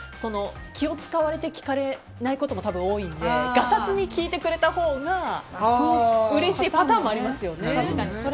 気を使われて聞かれないことも多いのでがさつに聞いてくれたほうがうれしいパターンもありますよね。